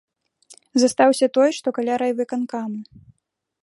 Застаўся той, што каля райвыканкаму.